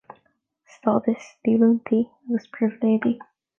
Stádas, Díolúintí agus Pribhléidí.